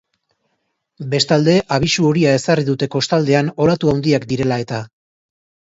Bestalde, abisu horia ezarri dute kostaldean olatu handiak direla eta.